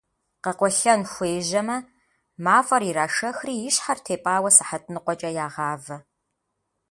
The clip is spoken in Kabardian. Къэкъуэлъэн хуежьэмэ, мафӏэр ирашэхри и щхьэр тепӏауэ сыхьэт ныкъуэкӏэ ягъавэ.